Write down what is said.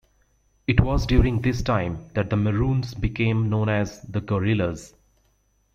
It was during this time that the Maroons became known as the Gorillas.